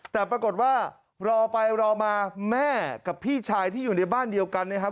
แต่ปรากฏว่ารอไปรอมาแม่กับพี่ชายที่อยู่ในบ้านเดียวกันนะครับ